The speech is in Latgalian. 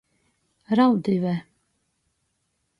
Raudive.